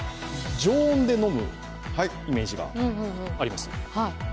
常温で飲むイメージがあります。